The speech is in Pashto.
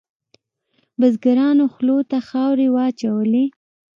بزګرانو خولو ته خاورې واچولې.